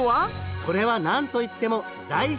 それは何といっても大自然！